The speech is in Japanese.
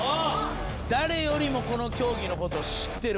だれよりもこの競技のことを知ってる。